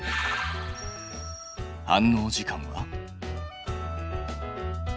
反応時間は。